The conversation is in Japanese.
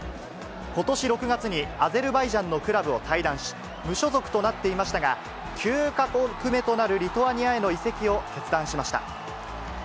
ことし６月にアゼルバイジャンのクラブを退団し、無所属となっていましたが、９か国目となるリトアニアへの移籍を決断しました。